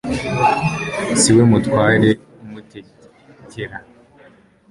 si we mutware umutegekera